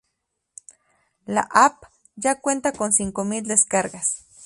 La app ya cuenta con cinco mil descargas.